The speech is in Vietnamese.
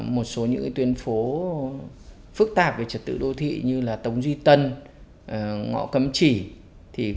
một số những tuyến phố phức tạp về trật tự đô thị như là tống duy tân ngõ cấm chỉ